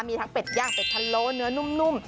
มีทั้งเป็ดย่างเป็ดพะโล้เนื้อนุ่ม